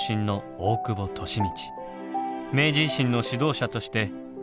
大久保利通